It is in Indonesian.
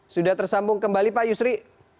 sudah tersambung kembali pak yusri